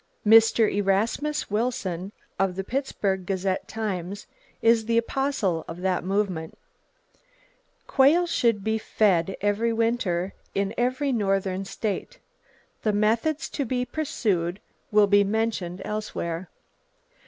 Mr. Erasmus Wilson, of the Pittsburgh Gazette Times is the apostle of that movement. Quail should be fed every winter, in every northern state. The methods to be pursued will be mentioned elsewhere.